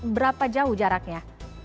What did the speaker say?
berapa jauh jaraknya